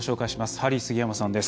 ハリー杉山さんです。